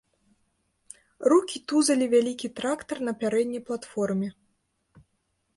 Рукі тузалі вялікі трактар на пярэдняй платформе.